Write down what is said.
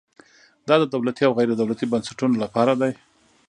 دا د دولتي او غیر دولتي بنسټونو لپاره دی.